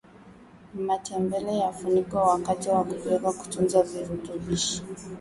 matembele yafunikwe wakati wa kupika kutunza virutubishi